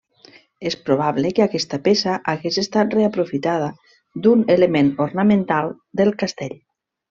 És probable que aquesta peça hagués estat reaprofitada d'un element ornamental del castell.